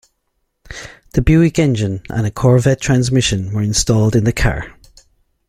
The Buick engine and a Corvette transmission were installed in the car.